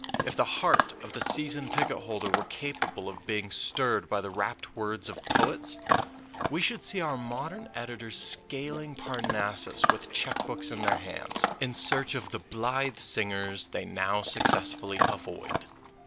If the heart of the season ticket holder were capable of being stirred by the rapt words of poets, we should see our modern editors scaling Parnassus with cheque books in their hands, in search of the blithe singers they now successfully avoid.